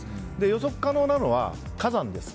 予測可能なのは火山です。